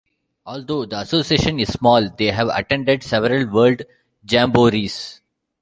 Although the association is small, they have attended several World Jamborees.